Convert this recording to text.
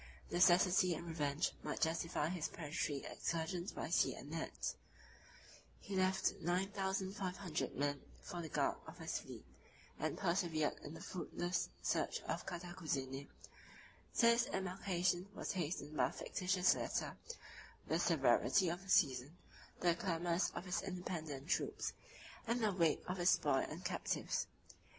Necessity and revenge might justify his predatory excursions by sea and land: he left nine thousand five hundred men for the guard of his fleet; and persevered in the fruitless search of Cantacuzene, till his embarkation was hastened by a fictitious letter, the severity of the season, the clamors of his independent troops, and the weight of his spoil and captives.